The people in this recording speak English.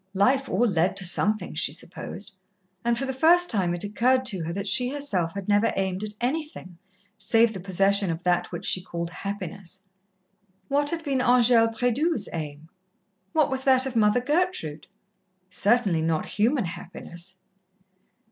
Life all led to something, she supposed, and for the first time it occurred to her that she herself had never aimed at anything save the possession of that which she called happiness. What had been Angèle Prédoux's aim? what was that of Mother Gertrude? Certainly not human happiness.